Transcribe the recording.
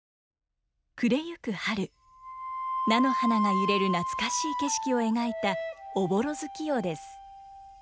暮れゆく春菜の花が揺れる懐かしい景色を描いた「おぼろ月夜」です。